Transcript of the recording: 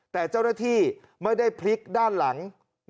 แต่เจ้าหน้าที่ไม่ได้พลิกด้านหลัง